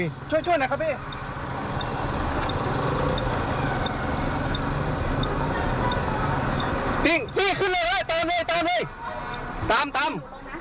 พี่ช่วยหนูหน่อยพี่ฟังหน่อย